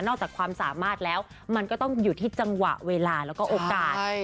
จากความสามารถแล้วมันก็ต้องอยู่ที่จังหวะเวลาแล้วก็โอกาส